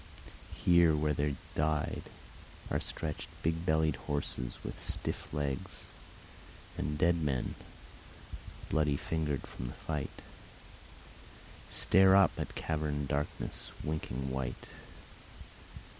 Here where they died Are stretched big bellied horses with stiff legs; And dead men, bloody fingered from the fight, Stare up at caverned darkness winking white.